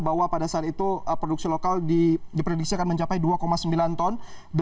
bahwa pada saat itu produksi lokal diprediksi akan mencapai dua sembilan ton